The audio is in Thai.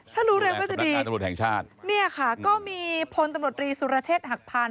ถ้ารู้เร็วก็จะดีเนี่ยค่ะก็มีพลตำรวจรีศสุรเชษฐ์หักพาน